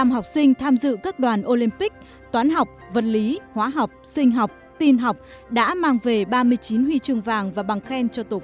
ba mươi năm học sinh tham dự các đoàn olympic toán học vật lý hóa học sinh học tin học đã mang về ba mươi chín